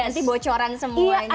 nanti bocoran semuanya